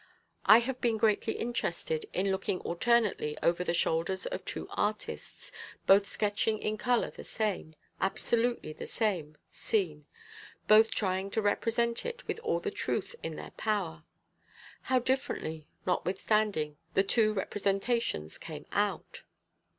I have been greatly interested in looking alternately over the shoulders of two artists, both sketching in colour the same, absolutely the same scene, both trying to represent it with all the truth in their power. How different, notwithstanding, the two representations came out!"